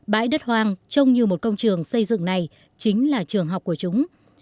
bãi đất hoang trông như một công trường xây dựng này chính là trường học của chúng